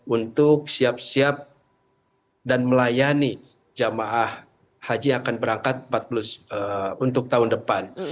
untuk siap siap dan melayani jamaah haji yang akan berangkat untuk tahun depan